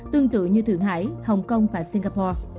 tương tự như thượng hải hồng kông và singapore